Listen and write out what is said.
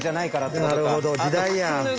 なるほど時代や。